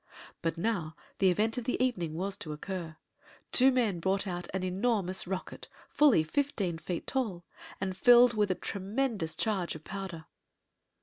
But now the event of the evening was to occur. Two men brought out an enormous rocket, fully fifteen feet tall and filled with a tremendous charge of powder.